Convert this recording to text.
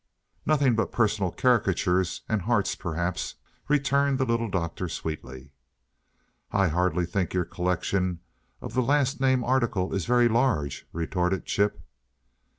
"Nothing but personal caricatures and hearts, perhaps," returned the Little Doctor, sweetly. "I hardly think your collection of the last named article is very large," retorted Chip.